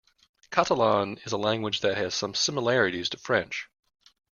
Catalan is a language that has some similarities to French.